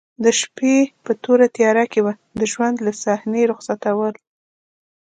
د شپې په توره تیاره کې به یې د ژوند له صحنې رخصتول.